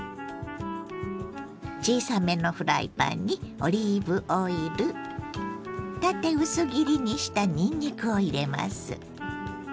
小さめのフライパンにオリーブオイル縦薄切りにしたにんにくを入れます。